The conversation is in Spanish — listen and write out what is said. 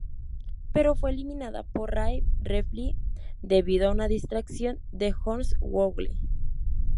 Pero fue eliminada por Rhea Ripley debido a una distracción de Hornswoggle.